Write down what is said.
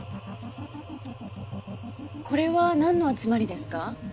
これはなんの集まりですか？